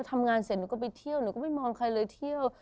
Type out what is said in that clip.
ทำงานเสร็จหนูก็ไปเที่ยวหนูก็ไม่มองใครเลยเที่ยว